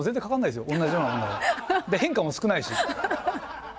で変化も少ないし。